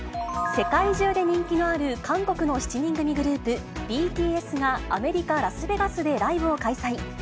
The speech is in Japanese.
世界中で人気のある韓国の７人組グループ、ＢＴＳがアメリカ・ラスベガスでライブを開催。